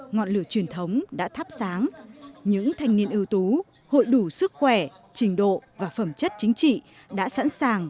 ngọn lửa truyền thống đã thắp sáng những thanh niên ưu tú hội đủ sức khỏe trình độ và phẩm chất chính trị đã sẵn sàng